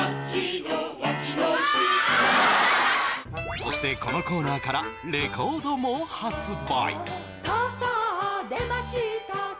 そしてこのコーナーからレコードも発売